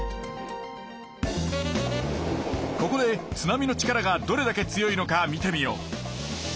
ここで津波の力がどれだけ強いのか見てみよう。